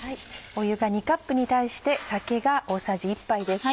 湯が２カップに対して酒が大さじ１杯です。